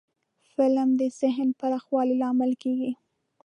فلم د ذهن پراخوالي لامل کېږي